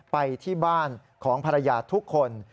ไปที่บ้านของภรรยาทุกคน